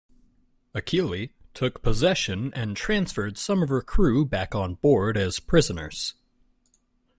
"Achille" took possession, and transferred some of her crew back on board as prisoners.